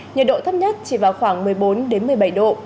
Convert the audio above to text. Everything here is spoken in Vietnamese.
nhiệt độ thấp nhất chỉ vào khoảng một mươi bốn một mươi bảy độ